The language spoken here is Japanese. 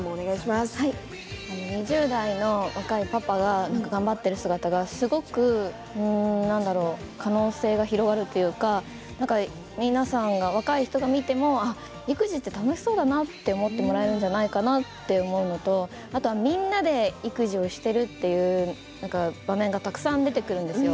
２０代の若いパパが頑張っている姿がすごく可能性が広がるというか皆さん、若い人が見ても育児って楽しそうだなと思ってもらえるんじゃないかなと思うのとあとみんなで育児をしているという場面がたくさん出てくるんですよ。